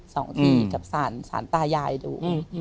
สองทีกับศาลตายายดู